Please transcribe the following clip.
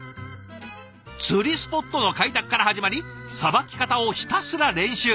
釣りスポットの開拓から始まりさばき方をひたすら練習。